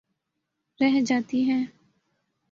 رہ جاتی ہے۔